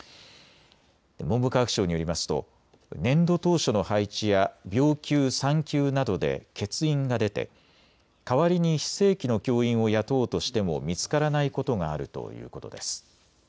文部科学省によりますと年度当初の配置や病休、産休などで欠員が出て代わりに非正規の教員を雇おうとしても見つからないことがあるということです。